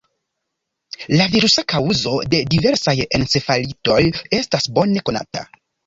La virusa kaŭzo de diversaj encefalitoj estas bone konata.